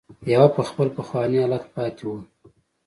يوه په خپل پخواني حالت پاتې وه.